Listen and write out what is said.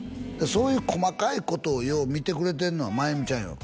そういう細かいことをよう見てくれてるのは万由美ちゃんやろ？